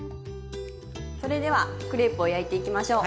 それではクレープを焼いていきましょう。